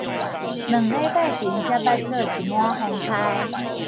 兩禮拜前才捌做一滿風颱